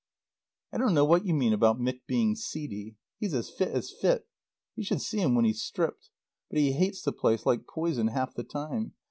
I don't know what you mean about Mick being seedy. He's as fit as fit. You should see him when he's stripped. But he hates the place like poison half the time.